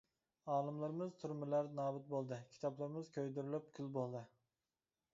ئالىملىرىمىز تۈرمىلەردە نابۇت بولدى، كىتابلىرىمىز كۆيدۈرۈلۈپ كۈل بولدى.